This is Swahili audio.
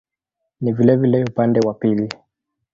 Ni vilevile upande wa pili.